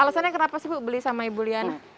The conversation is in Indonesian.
alasannya kenapa sih bu beli sama ibu liana